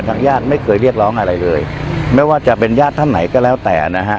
ญาติไม่เคยเรียกร้องอะไรเลยไม่ว่าจะเป็นญาติท่านไหนก็แล้วแต่นะฮะ